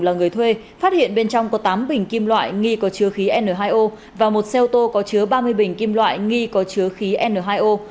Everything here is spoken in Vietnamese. là người thuê phát hiện bên trong có tám bình kim loại nghi có chứa khí n hai o và một xe ô tô có chứa ba mươi bình kim loại nghi có chứa khí n hai o